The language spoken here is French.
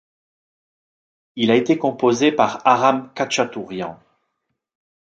Il a été composé par Aram Khatchatourian.